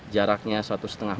jaraknya satu lima hektare